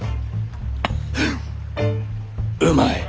うまい。